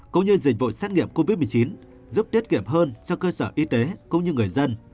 cũng như dịch vụ xét nghiệm covid một mươi chín giúp tiết kiệm hơn cho cơ sở y tế cũng như người dân